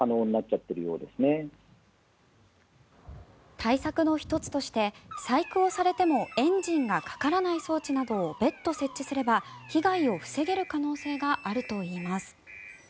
対策の１つとして細工をされてもエンジンがかからない装置などを別途設置すれば被害を防げる可能性があるといいます。